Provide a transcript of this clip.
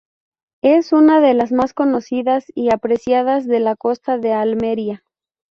Es una de las más conocidas y apreciadas de la costa de Almería.